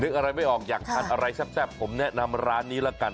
อะไรไม่ออกอยากทานอะไรแซ่บผมแนะนำร้านนี้ละกัน